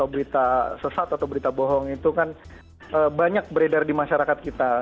berita sesat atau berita bohong itu kan banyak beredar di masyarakat kita